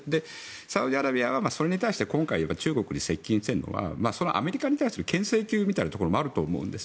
サウジアラビアはそれに対して今回は中国に接近しているのはそのアメリカに対するけん制球みたいなところもあると思うんです。